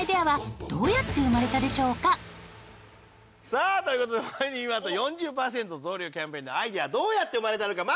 さあという事でファミリーマート４０％増量キャンペーンのアイデアはどうやって生まれたのか？